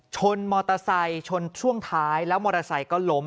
ชนมอเตอร์ไซค์ชนช่วงท้ายแล้วมอเตอร์ไซค์ก็ล้ม